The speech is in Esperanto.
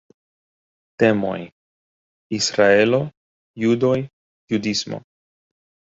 Temoj: Israelo, judoj, judismo.